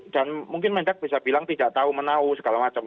dan mungkin mendak bisa bilang tidak tahu menau segala macam